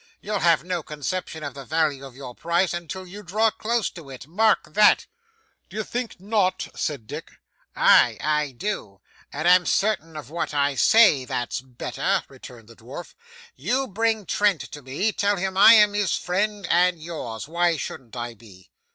'You'll have no conception of the value of your prize until you draw close to it. Mark that.' 'D'ye think not?' said Dick. 'Aye, I do; and I am certain of what I say, that's better,' returned the dwarf. 'You bring Trent to me. Tell him I am his friend and yours why shouldn't I be?